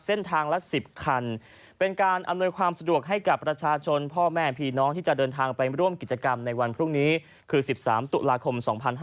เส้นทางละ๑๐คันเป็นการอำนวยความสะดวกให้กับประชาชนพ่อแม่พี่น้องที่จะเดินทางไปร่วมกิจกรรมในวันพรุ่งนี้คือ๑๓ตุลาคม๒๕๕๙